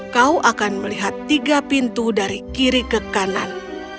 kau akan melihat tiga pintu dari kiri ke kanan